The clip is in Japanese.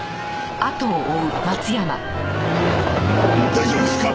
大丈夫ですか？